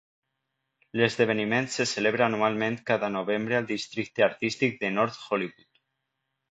L'esdeveniment se celebra anualment cada novembre al districte artístic de North Hollywood.